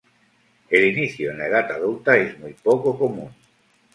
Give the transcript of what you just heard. El inicio en la edad adulta es muy poco común.